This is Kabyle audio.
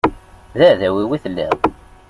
D aεdaw-iw i telliḍ.